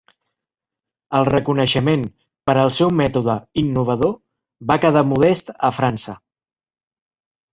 El reconeixement per al seu mètode innovador va quedar modest a França.